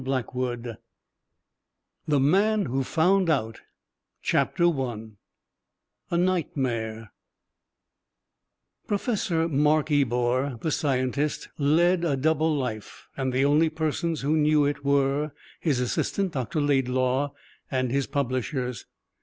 The Man Who Found Out (A Nightmare) 1 Professor Mark Ebor, the scientist, led a double life, and the only persons who knew it were his assistant, Dr. Laidlaw, and his publishers.